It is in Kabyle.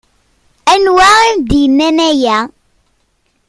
Anwa i am-d-yennan aya?